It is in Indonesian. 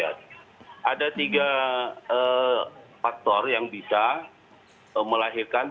ada tiga faktor yang bisa melahirkan